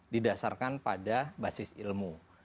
didasarkan pada basis ilmu